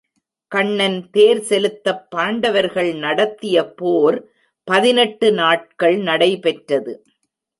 கண்ணன் தேர்செலுத்தப் பாண்டவர்கள் நடத்திய போர் பதினெட்டு நாட்கள் நடைபெற்றது.